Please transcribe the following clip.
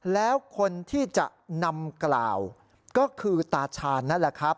แล้วคนที่จะนำกล่าวก็คือตาชาญนั่นแหละครับ